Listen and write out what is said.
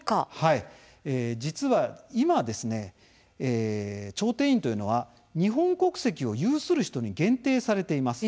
実は今、調停委員というのは日本国籍を有する人に限定されています。